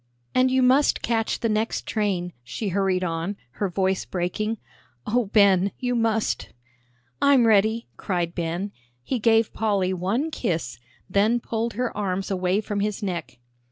"And you must catch the next train," she hurried on, her voice breaking; "oh, Ben, you must." "I'm ready," cried Ben. He gave Polly one kiss, then pulled her arms away from his neck.